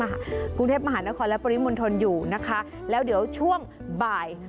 โดยการติดต่อไปก็จะเกิดขึ้นการติดต่อไป